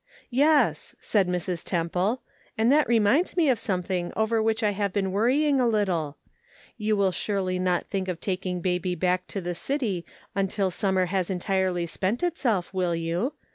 ." Yes," said Mrs. Temple, " and that reminds 376 Measuring Human Influence. 377 me of something over which I have been wor rying a little. You will surely not think of taking baby back to the city until summer has entirely spent itself, will you